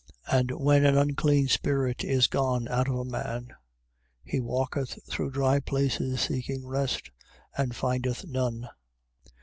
12:43. And when an unclean spirit is gone out of a man he walketh through dry places seeking rest, and findeth none.